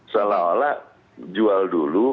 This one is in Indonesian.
salah ala jual dulu